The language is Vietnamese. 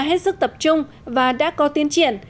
hết sức tập trung và đã có tiến triển